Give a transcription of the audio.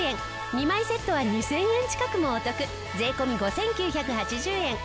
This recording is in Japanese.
２枚セットは２０００円近くもお得税込５９８０円。